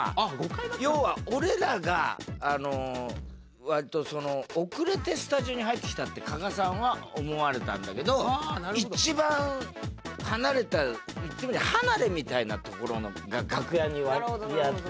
要は俺らが割とその遅れてスタジオに入ってきたって加賀さんは思われたんだけど一番離れた言ってみりゃ離れみたいな所が楽屋に割り当てられて。